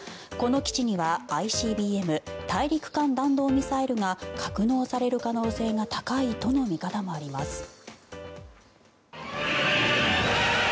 この基地にはＩＣＢＭ・大陸間弾道ミサイルが格納される可能性が高いとの見方もあります。